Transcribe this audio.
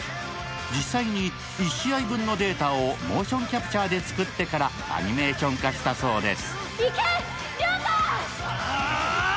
実際に１試合分のデータをモーションキャプチャーで作ってからアニメーション化したそうです。